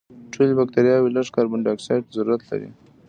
ټولې بکټریاوې لږ کاربن دای اکسایډ ته ضرورت لري.